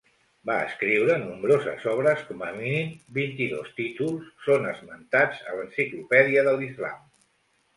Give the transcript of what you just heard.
Va escriure nombroses obres com a mínim vint-i-dos títols són esmentats a l'Enciclopèdia de l'Islam.